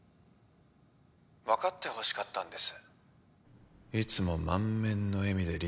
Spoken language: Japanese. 分かってほしかったんです